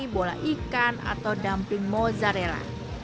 bola ikan atau dumping mozzarella